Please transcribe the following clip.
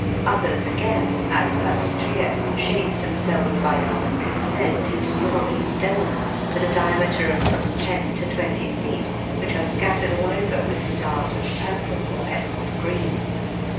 Others again, as Astraea, shape themselves by common consent into solid domes, with a diameter of from ten to twenty feet, which are scattered all over with stars of purple or emerald green (Fig.